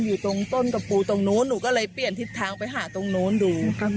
อยู่ตรงต้นตะปูตรงนู้นหนูก็เลยเปลี่ยนทิศทางไปหาตรงนู้นดู